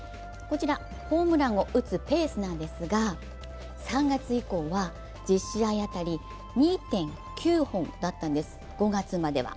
ホームランを打つペースなんですが３月以降は１０試合当たり２．９本だったんです、５月までは。